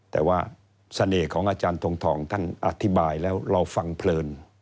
แต่ว่าเสน่ห์ของอาจารย์ทงทองท่านอธิบายแล้วเราฟังเพลิน